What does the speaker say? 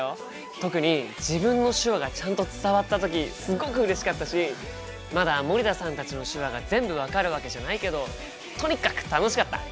特に自分の手話がちゃんと伝わった時すごくうれしかったしまだ森田さんたちの手話が全部分かるわけじゃないけどとにかく楽しかった！